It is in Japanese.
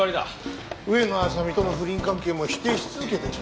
上野亜沙美との不倫関係も否定し続けてる。